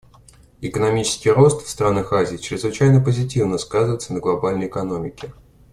Экономический рост в странах Азии чрезвычайно позитивно сказывается на глобальной экономике.